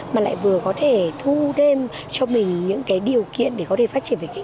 mà lại vừa có thể thu thêm cho mình những cái điều kiện để có thể phát triển về kinh tế